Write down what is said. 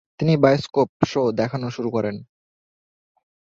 তিনি bioscope show দেখানো শুরু করেন।